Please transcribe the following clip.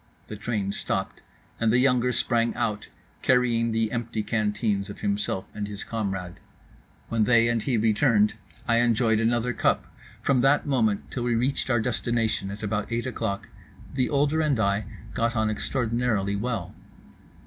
The train stopped; and the younger sprang out, carrying the empty canteens of himself and his comrade. When they and he returned, I enjoyed another cup. From that moment till we reached our destination at about eight o'clock the older and I got on extraordinarily well.